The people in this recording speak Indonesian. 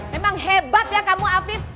memang hebat ya kamu afif